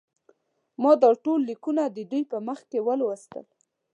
ما دا ټول لیکونه د دوی په مخ کې ولوستل.